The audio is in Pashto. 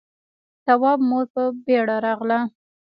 تواب مور په بيړه راغله.